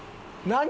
何？